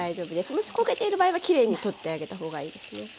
もし焦げている場合はきれいに取ってあげたほうがいいですね。